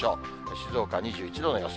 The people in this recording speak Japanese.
静岡２１度の予想。